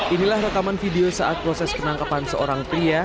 inilah rekaman video saat proses penangkapan seorang pria